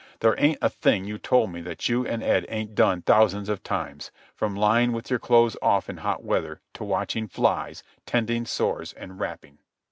There ain't a thing you told me that you and Ed ain't done thousands of times, from lying with your clothes off in hot weather to watching flies, tending sores, and rapping."